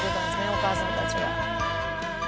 お母さんたちは。